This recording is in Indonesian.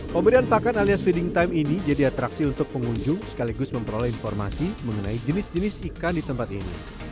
pemberian pakan alias feeding time ini jadi atraksi untuk pengunjung sekaligus memperoleh informasi mengenai jenis jenis ikan di tempat ini